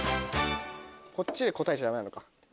こっちで答えちゃダメなのか。